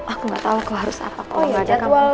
aku gak tau aku harus apa kalau gak ada kamu oh iya jadwal